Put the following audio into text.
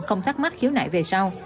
không thắc mắc khiếu nại về sau